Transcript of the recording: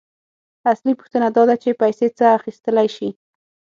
اصلي پوښتنه داده چې پیسې څه اخیستلی شي